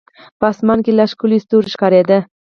په اسمان کې لا ښکلي ستوري ښکارېده.